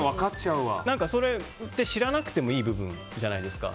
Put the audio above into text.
それって知らなくてもいい部分じゃないですか。